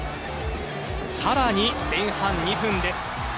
さらに前半２分です。